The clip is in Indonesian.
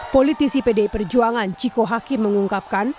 politisi pdi perjuangan ciko hakim mengungkapkan